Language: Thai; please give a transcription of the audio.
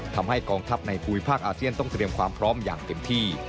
ทำให้กองทัพในภูมิภาคอาเซียนต้องเตรียมความพร้อมอย่างเต็มที่